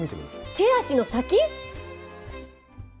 手足の先？